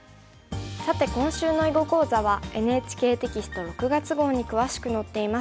さて今週の囲碁講座はＮＨＫテキスト６月号に詳しく載っています。